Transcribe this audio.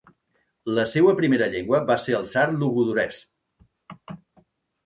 La seua primera llengua va ser el sard logudorès.